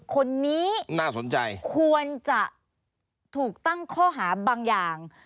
คนนี้ควรจะถูกตั้งข้อหาบางอย่าง